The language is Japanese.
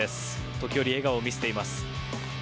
時折、笑顔を見せています。